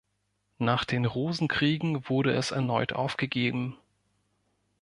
Nach den Rosenkriegen wurde es erneut aufgegeben.